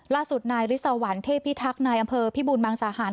ล่าสุดนายริสาวรรณเทพีทักนายอำเภอพิบูรณ์มังสาหาร